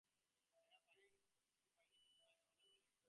এর বাইরে কিছু হয়েছে কি না বলেন।